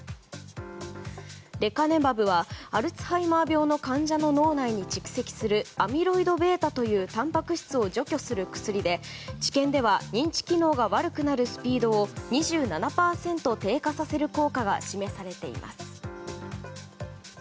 レカネマブはアルツハイマー病の患者の脳内に蓄積するアミロイドベータというたんぱく質を除去する薬で治験では認知機能が悪くなるスピードを２７％低下させる効果が示されています。